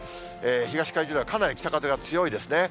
東海上ではかなり北風が強いですね。